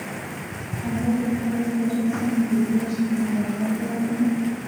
هغه د پوځ د رسم ګذشت ننداره کوله.